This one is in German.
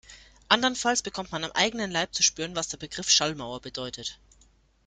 Andernfalls bekommt man am eigenen Leib zu spüren, was der Begriff Schallmauer bedeutet.